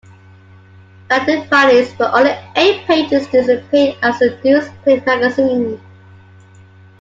Like "The Funnies", but only eight pages, this appeared as a newsprint magazine.